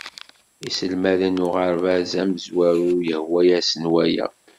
Iselmaden n uɣerbaz amezwaru yehwa-asen waya